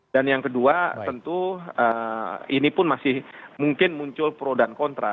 dan yang kedua tentu ini pun masih mungkin muncul pro dan kontra